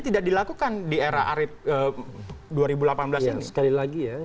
sekali lagi ya